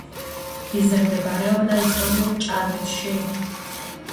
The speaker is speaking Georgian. რიზე მდებარეობდა ისტორიულ ჭანეთში.